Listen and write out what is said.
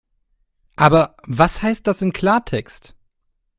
Aber was heißt das im Klartext?